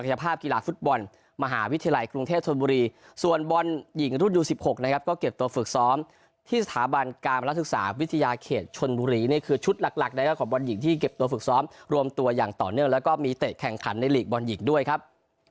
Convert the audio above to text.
ชนบุรีส่วนบอลหญิงรุ่นยู๑๖นะครับก็เก็บตัวฝึกซ้อมที่สถาบันการรัฐศึกษาวิทยาเขตชนบุรีนี่คือชุดหลักในของบอลหญิงที่เก็บตัวฝึกซ้อมรวมตัวอย่างต่อเนื่องแล้วก็มีเตะแข่งขันในหลีกบอลหญิงด้วยครับ